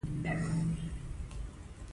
یو زمري او یو موږک سره ولیدل.